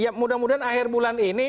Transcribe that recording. ya mudah mudahan akhir bulan ini